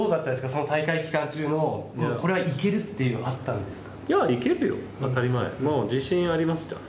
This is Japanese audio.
その大会期間中のもうこれはいけるっていうのあったんですか？